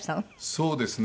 そうですね。